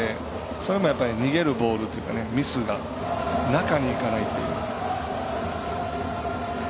それも逃げるボールというかミスが中にいかないっていう。